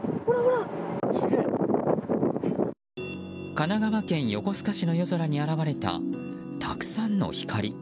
神奈川県横須賀市の夜空に現れた、たくさんの光。